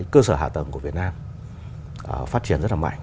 cơ sở hạ tầng của việt nam phát triển rất là mạnh